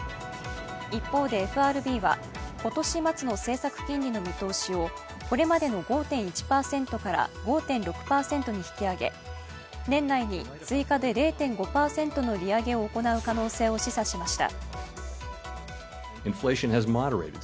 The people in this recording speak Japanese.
一方で、ＦＲＢは今年末の政策金利の見通しをこれまでの５．１％から５．６％に引き上げ年内に追加で０．５％の利上げを行う可能性を示唆しました。